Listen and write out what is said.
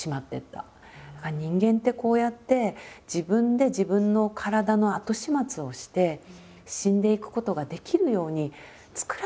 人間ってこうやって自分で自分の体の後始末をして死んでいくことができるようにつくられてるんだなって。